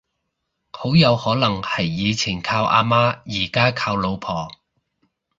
好有可能係以前靠阿媽而家靠老婆